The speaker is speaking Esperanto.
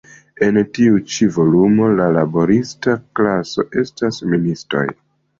En tiu ĉi volumo, la laborista klaso estas ministoj.